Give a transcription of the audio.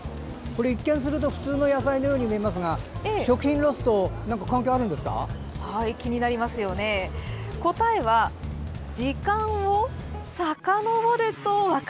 一見すると普通の野菜のように見えますが食品ロスと何か関係あるんですか？